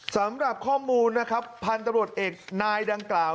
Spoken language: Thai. สำหรับข้อมูลนะครับพาลตรวจเอกการณ์นายดังกล่าว